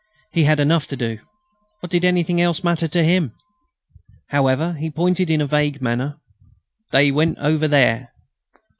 He had enough to do. What did anything else matter to him? However, he pointed in a vague manner: "They went over there...."